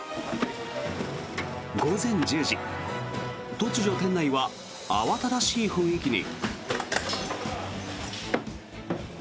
午前１０時、突如店内は慌ただしい雰囲気に。